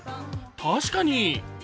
確かに！